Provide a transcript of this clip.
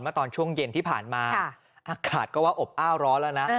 ตอนช่วงเย็นที่ผ่านมาอากาศก็ว่าอบอ้าวร้อนแล้วนะ